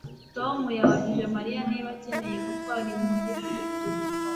Tom yabajije Mariya niba akeneye gutwara imuhira